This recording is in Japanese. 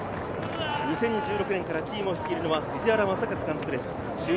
２０１６年からチームを率いるのは藤原正和監督です。